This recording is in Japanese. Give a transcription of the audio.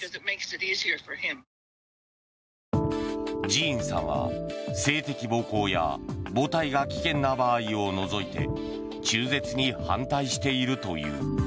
ジーンさんは性的暴行や母体が危険な場合を除いて中絶に反対しているという。